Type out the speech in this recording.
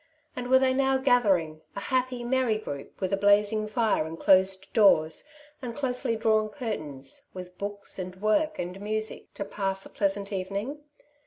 and were they now gathering, a happy, merry group, •with a blazing fire, and closed doors, and closely drawn curtains — with books, and work, and music, to pass a pleasant evening